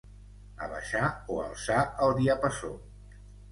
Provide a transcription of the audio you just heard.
Abaixar o alçar el diapasó.